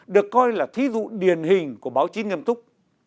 được coi là thí dụ điển hình của báo chí nghiêm túc